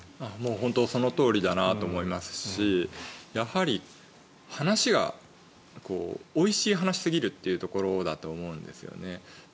本当にそのとおりだなと思いますし話がおいしい話すぎるというところだと思うんですね。